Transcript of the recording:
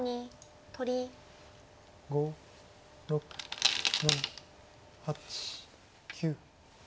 ５６７８９。